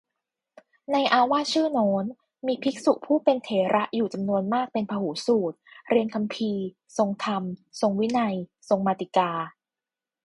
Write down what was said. ในอาวาสชื่อโน้น มีภิกษุผู้เป็นเถระอยู่จำนวนมากเป็นพหูสูตร เรียนคำภีร์ ทรงธรรม ทรงวินัย ทรงมาติกา